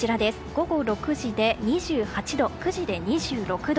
午後６時で２８度、９時で２６度。